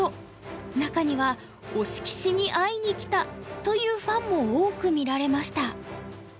中には「推し棋士に会いにきた」というファンも多く見られました。